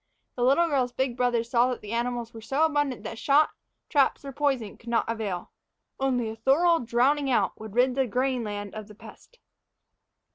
The little girl's big brothers saw that the animals were so abundant that shot, traps, or poison would not avail only a thorough drowning out would rid the grain land of the pest.